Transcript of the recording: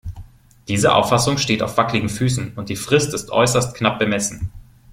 Diese Auffassung steht auf wackligen Füßen, und die Frist ist äußert knapp bemessen.